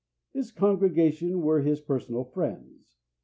His congregation were his personal friends.